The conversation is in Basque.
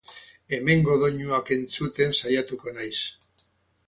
Hemengo doinuak entzuten saiatuko naiz.